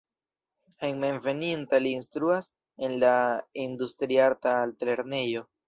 Hejmenveninta li instruas en la Industriarta Altlernejo.